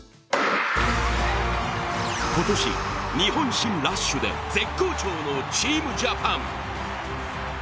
今年、日本新ラッシュで絶好調のチームジャパン。